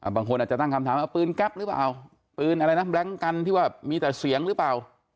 บางคนอาจจะตั้งคำถามเอาปืนแก๊ปหรือเปล่าปืนอะไรนะแบล็งกันที่ว่ามีแต่เสียงหรือเปล่า